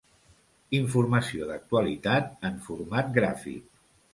Informació d'actualitat en format gràfic.